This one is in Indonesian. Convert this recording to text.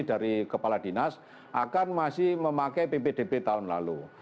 dari kepala dinas akan masih memakai ppdb tahun lalu